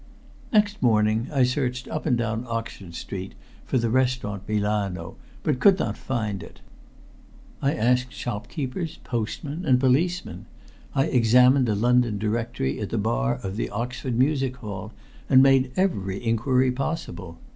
Next morning I searched up and down Oxford Street for the Restaurant Milano, but could not find it. I asked shopkeepers, postmen, and policemen; I examined the London Directory at the bar of the Oxford Music Hall, and made every inquiry possible.